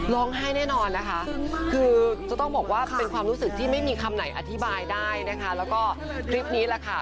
แน่นอนนะคะคือจะต้องบอกว่าเป็นความรู้สึกที่ไม่มีคำไหนอธิบายได้นะคะแล้วก็คลิปนี้แหละค่ะ